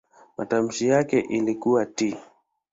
Matamshi yake ilikuwa "t".